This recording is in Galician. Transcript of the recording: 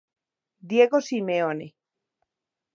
Diego Simeone.